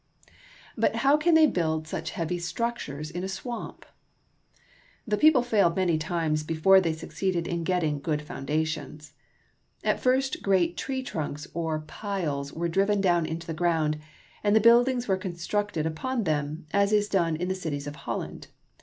But how can they build such heavy structures in a swamp? The people failed many times before they suc ceeded in getting good foundations. At first great tree trunks, or piles, were driven down into the ground, and the buildings were constructed upon them, as is done in the cities of Holland.